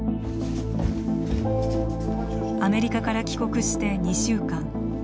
アメリカから帰国して２週間。